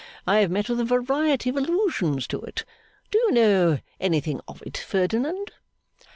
I have met with a variety of allusions to it. Do you know anything of it, Ferdinand?